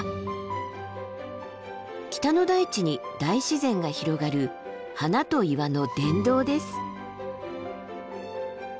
北の大地に大自然が広がる花と岩の殿堂です。